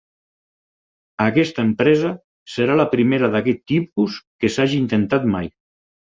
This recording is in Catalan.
Aquesta empresa serà la primera d'aquest tipus que s'hagi intentat mai.